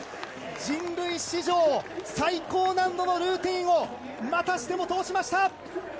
人類史上最高難度のルーティンをまたしても通しました！